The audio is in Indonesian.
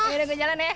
udah gue jalan ya